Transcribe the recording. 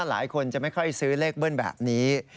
หลายคนจะไม่ค่อยซื้อเลขเบิ้ลแบบนี้